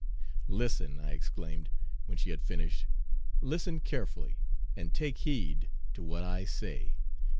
"'Listen,' I exclaimed, when she had finished, 'listen carefully, and take heed to what I say.